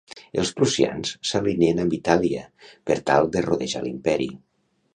Els prussians s'alien amb Itàlia per tal de rodejar l'imperi.